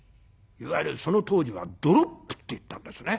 いわゆるその当時はドロップって言ったんですね。